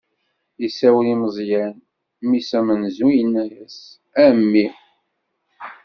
Isawel i Meẓyan, mmi-s amenzu, inna-yas: A mmi!